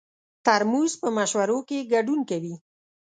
ترموز په مشورو کې ګډون کوي.